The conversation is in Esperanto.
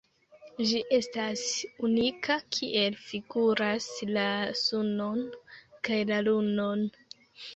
Ĝi estas unika kiel figuras la Sunon kaj la Lunon.